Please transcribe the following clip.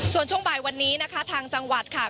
ส่วนช่วงบ่ายวันนี้นะคะทางจังหวัดค่ะ